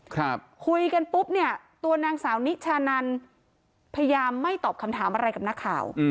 คุยกันปุ๊บเนี่ยตัวนางสาวนิชานันพยายามไม่ตอบคำถามอะไรกับนักข่าวอืม